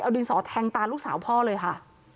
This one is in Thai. ดินสอแทงตาลูกสาวพ่อเลยค่ะ